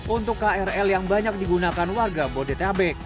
untuk krl yang banyak digunakan warga bodetabek